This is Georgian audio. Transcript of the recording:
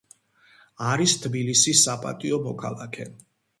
არის თბილისის საპატიო მოქალაქე.